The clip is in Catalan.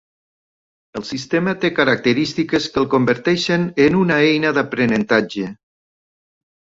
El sistema té característiques que el converteixen en una eina d'aprenentatge.